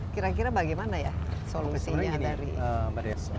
kira kira bagaimana ya solusinya dari